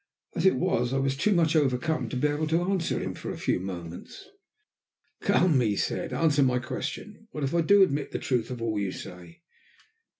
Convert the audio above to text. As it was, I was too much overcome to be able to answer him for a few moments. "Come," he said, "answer my question. What if I do admit the truth of all you say?"